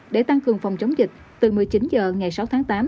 để tăng cường phòng chống dịch từ một mươi chín h ngày sáu tháng tám